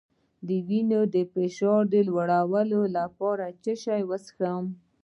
د وینې فشار لوړولو لپاره څه شی وڅښم؟